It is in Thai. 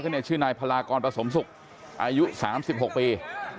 ก็เนี่ยชื่อนายพรากรประสมศุกร์อายุ๓๖ปี